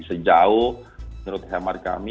sejauh menurut hemat kami